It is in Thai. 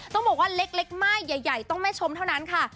ต้องบอกว่าเล็กม่ายใหญ่ต้องแม่ชมเท่านั้นค่ะ